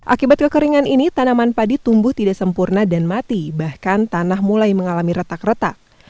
akibat kekeringan ini tanaman padi tumbuh tidak sempurna dan mati bahkan tanah mulai mengalami retak retak